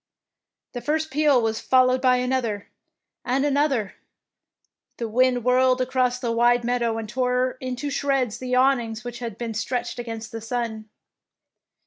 The flrst peal was followed by an other and another. The wind whirled 73 DEEDS OF DABING across the wide meadow and tore into shreds the awnings which had been stretched against the sun.